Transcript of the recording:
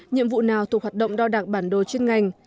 nhiệm vụ nào thuộc hoạt động đo đạc bản đồ chuyên ngành